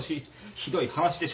ひどい話でしょ全く。